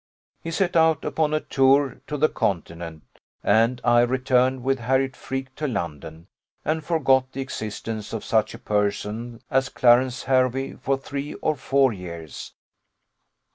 He set out upon a tour to the continent, and I returned with Harriot Freke to London, and forgot the existence of such a person as Clarence Hervey for three or four years.